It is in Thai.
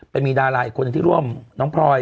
เป็นมีดาราอีกคนที่ร่วมน้องพลอย